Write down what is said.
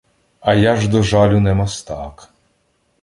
А я ж до жалю не мастак: